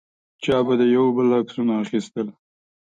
چا به د یو بل عکسونه اخیستل.